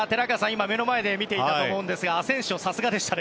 今、目の前で見ていたと思いますがアセンシオ、さすがでしたね。